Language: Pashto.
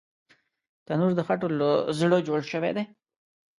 تنور د خټو له زړه جوړ شوی وي